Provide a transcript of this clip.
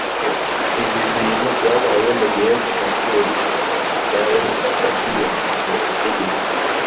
ibi bintu byabaye mugihe senateri yari akiri ku butegetsi